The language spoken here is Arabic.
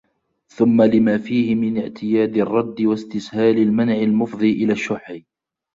ثُمَّ لِمَا فِيهِ مِنْ اعْتِيَادِ الرَّدِّ وَاسْتِسْهَالِ الْمَنْعِ الْمُفْضِي إلَى الشُّحِّ